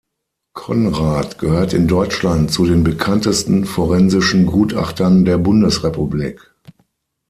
Konrad gehört in Deutschland zu den bekanntesten forensischen Gutachtern der Bundesrepublik.